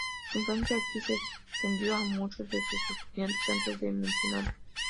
Su influencia aquí se extendió a muchos de sus estudiantes antes mencionados.